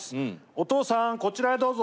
お父さんこちらへどうぞ！